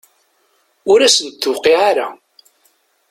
Ur asen-d-tuqiɛ ara.